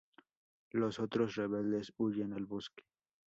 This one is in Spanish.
Los otros rebeldes huyen al bosque.